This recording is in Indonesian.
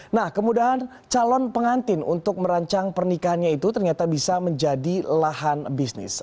nah kemudahan calon pengantin untuk merancang pernikahannya itu ternyata bisa menjadi lahan bisnis